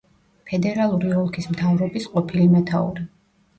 ფედერალური ოლქის მთავრობის ყოფილი მეთაური.